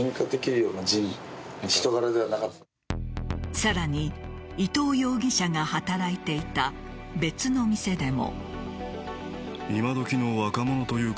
さらに、伊藤容疑者が働いていた別の店でも。